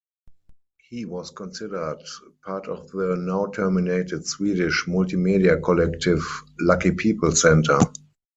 He was considered part of the now terminated Swedish multimedia collective Lucky People Center.